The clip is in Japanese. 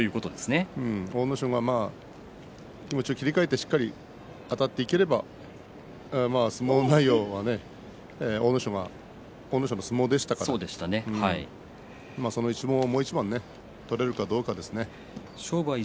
阿武咲が気持ちを切り替えてしっかりあたっていければ相撲内容は阿武咲の相撲でしたからその相撲をもう一番取れるかどうかですね。